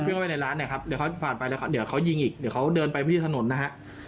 เข้าไปในร้านเนี่ยครับเดี๋ยวเขาผ่านไปแล้วเดี๋ยวเขายิงอีกเดี๋ยวเขาเดินไปพื้นที่ถนนนะฮะ